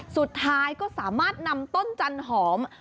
สุดท้ายก็สามารถนำต้นจันหอม